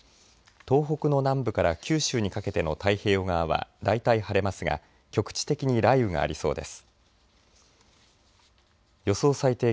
東北の南部から九州にかけての太平洋側はだいたい晴れますが局地的に雷雨がありそうです。